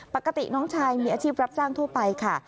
ปกติน้องชายมีอาชีพรับจ้างทั่วไปค่ะ